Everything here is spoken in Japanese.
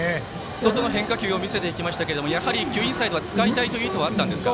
外の変化球を見せていきましたけどやはり今日はインサイドは使いたいという意図はあったんですか。